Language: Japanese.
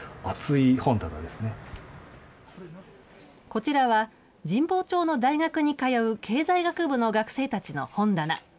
こちらは、神保町の大学に通う経済学部の学生たちの本棚。